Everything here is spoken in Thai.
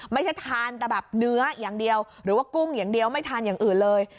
ไม่ใช่ทานแต่แบบเนื้ออย่างเดียวหรือว่ากุ้งอย่างเดียวไม่ทานอย่างอื่นเลย